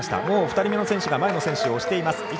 もう２人目の選手が前の選手を押しています。